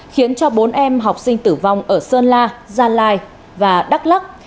khiến cho bốn em học sinh tử vong ở sơn la gia lai và đắk lắc